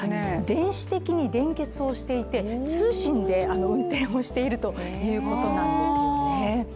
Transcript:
電子的に連結していて、通信で運転をしているということなんですよね